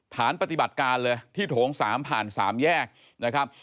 ฐานปฏิบัติการเลยที่โถง๓ผ่าน๓แยกนะครับ